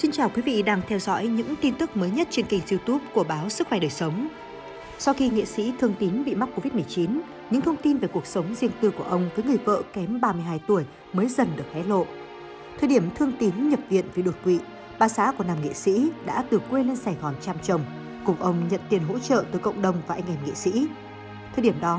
các bạn hãy đăng ký kênh để ủng hộ kênh của chúng mình nhé